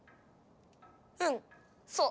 うんそう！